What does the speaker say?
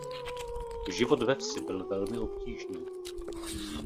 Život ve vsi byl velmi obtížný.